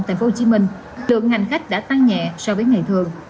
tại tp hcm lượng hành khách đã tăng nhẹ so với ngày thường